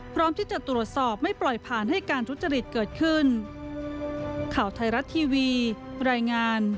พร้อมที่จะตรวจสอบไม่ปล่อยผ่านให้การทุจริตเกิดขึ้น